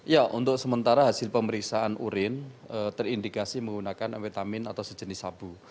ya untuk sementara hasil pemeriksaan urin terindikasi menggunakan amfetamin atau sejenis sabu